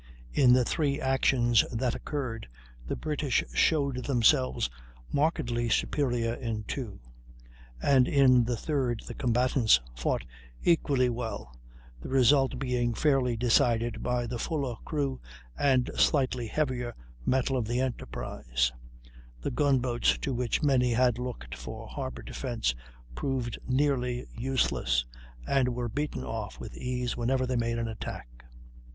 In the three actions that occurred, the British showed themselves markedly superior in two, and in the third the combatants fought equally well, the result being fairly decided by the fuller crew and slightly heavier metal of the Enterprise. The gun boats, to which many had looked for harbor defence, proved nearly useless, and were beaten off with ease whenever they made an attack.